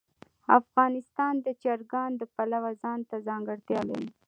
افغانستان د چرګان د پلوه ځانته ځانګړتیا لري.